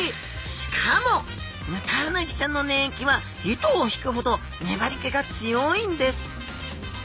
しかもヌタウナギちゃんの粘液は糸を引くほどねばりけが強いんです！